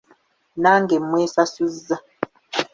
Nange mwesasuzza!